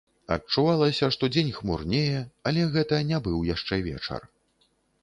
Адчувалася, што дзень хмурнее, але гэта не быў яшчэ вечар.